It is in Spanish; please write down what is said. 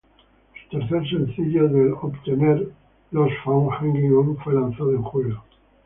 Su tercer sencillo de"El Obtener"Lost Found, "Hanging On", fue lanzado en julio.